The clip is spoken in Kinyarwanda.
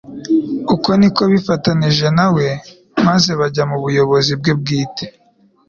Uko ni ko bifatanije na we; maze bajya mu buyobozi bwe bwite.